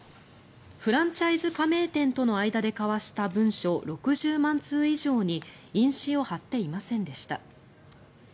フランチャイズ加盟店との間で交わした文書６０万通以上に印紙を貼っていませんでした。